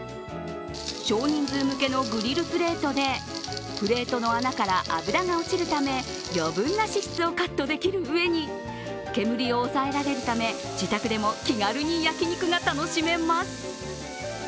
少人数向けのグリルプレートでプレートの穴から油が落ちるため余分な脂質をカットできるうえに、煙を抑えられるため自宅でも気軽に焼き肉が楽しめます。